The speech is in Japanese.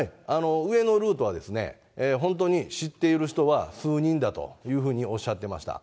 上のルートは、本当に知っている人は数人だというふうにおっしゃってました。